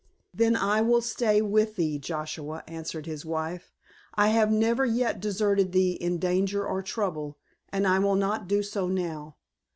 "Then I will stay with thee, Joshua," answered his wife. "I have never yet deserted thee in danger or trouble, and I will not do so now.